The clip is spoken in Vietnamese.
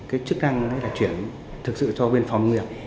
cái chức năng đấy là chuyển thực sự cho bên phòng nông nghiệp